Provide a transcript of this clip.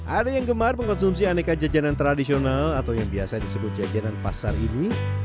ada yang gemar mengkonsumsi aneka jajanan tradisional atau yang biasa disebut jajanan pasar ini